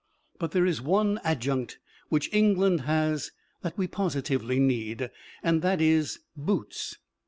But there is one adjunct which England has that we positively need, and that is "Boots."